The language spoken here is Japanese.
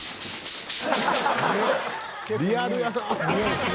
リアルやな。